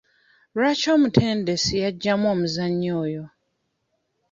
Lwaki omutendesi yaggyamu omuzannyi oyo?